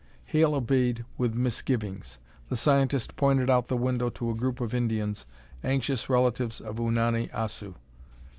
Hale obeyed with misgivings. The scientist pointed out the window to a group of Indians, anxious relatives of Unani Assu.